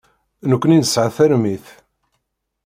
Nekkni nesɛa tarmit.